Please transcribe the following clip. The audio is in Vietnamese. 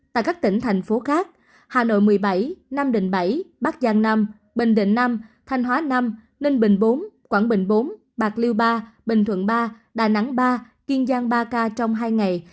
tại các tỉnh thành phố khác hà nội một mươi bảy nam định bảy bắc giang nam bình định năm thanh hóa năm ninh bình bốn quảng bình bốn bạc liêu ba bình thuận ba đà nẵng ba kiên giang ba ca trong hai ngày